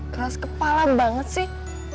keras kepala banget sih